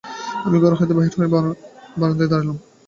আমি ঘর হইতে বাহির হইয়া বারান্দায় আসিয়া দাঁড়াইলাম।